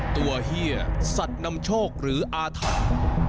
ตัวเฮียสัตว์นำโชคหรืออาธาร